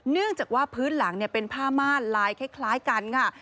เนื่องจากว่าพื้นหลังเป็นผ้าม่านลายคล้ายกันค่ะ